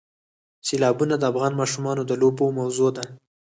سیلابونه د افغان ماشومانو د لوبو موضوع ده.